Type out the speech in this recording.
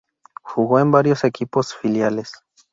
Jugó en varios equipos filiales.